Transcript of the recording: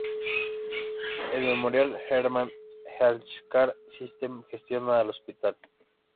El "Memorial Hermann Healthcare System" gestiona el hospital.